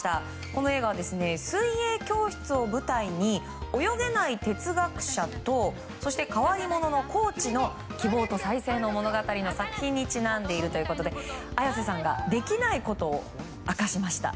この映画は水泳教室を舞台に泳げない哲学者と変わり者のコーチの希望と再生の物語にちなんで綾瀬さんができないことを明かしました。